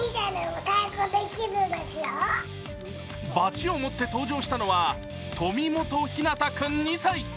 バチを持って登場したのは富本ひなた君２歳。